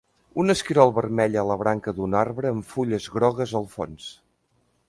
Un esquirol vermell a la branca d'un arbre amb fulles grogues al fons.